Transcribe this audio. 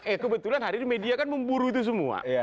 eh kebetulan hari ini media kan memburu itu semua